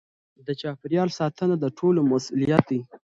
د چاپیریال ساتنه د ټولو مسؤلیت دی.